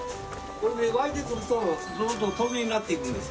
これで沸いてくるとどんどん透明になっていくんです。